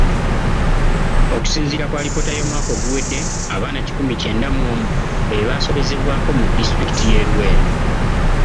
Okusinziira ku alipoota y'omwaka oguwedde abaana kikumi kyenda mu omu be baasobezebwako mu disitulikti y'e Luweero.